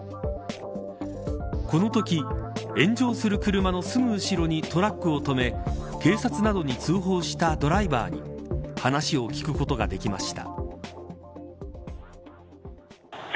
このとき炎上する車のすぐ後ろにトラックを止め、警察などに通報したドライバーに話を聞くことができました。